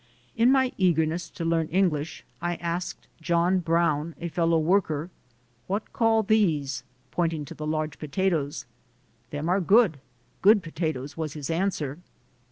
In my eagerness to learn English, I asked John Brown, a fellow worker, "What call these?" point ing to the large potatoes. "Them are good, good potatoes," was his answer.